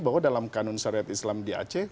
bahwa dalam kanun syariat islam di aceh